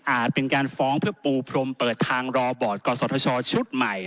เป็นการฟ้องเพื่อปูพรมเปิดทางรอบอร์ดกศธชชุดใหม่